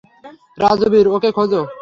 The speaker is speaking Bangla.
রাজবীর, ওকে খোঁজ।